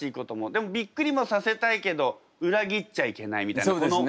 でもびっくりもさせたいけど裏切っちゃいけないみたいなこの。